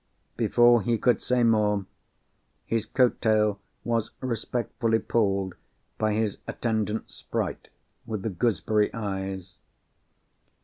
Before he could say more, his coat tail was respectfully pulled by his attendant sprite with the gooseberry eyes.